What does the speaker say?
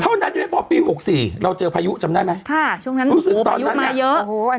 เท่านั้นยังไม่พอปี๖๔เราเจอพายุจำได้ไหมค่ะช่วงนั้นรู้สึกตอนนั้นเนี่ยเยอะ